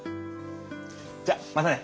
じゃまたね。